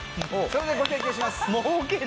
それでご提供します。